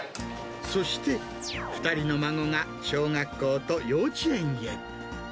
そして２人の孫が小学校と幼稚園へ。